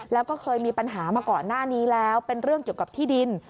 แล้วก็เคยมีปัญหามาก่อนหน้านี้แล้วเป็นเรื่องเกี่ยวกับที่ดิน